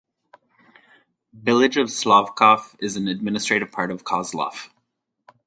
Village of Slavkov is an administrative part of Kozlov.